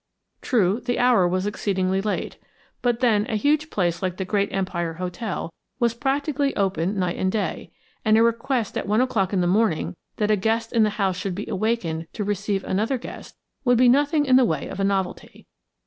True, the hour was exceedingly late; but then a huge place like the Great Empire Hotel was practically open night and day, and a request at one o'clock in the morning that a guest in the house should be awakened to receive another guest would be nothing in the way of a novelty.